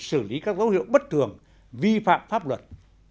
xử lý các dấu hiệu bất thường vi phạm pháp luật